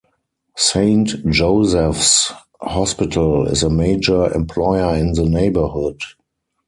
"Saint Joseph's Hospital" is a major employer in the neighborhood.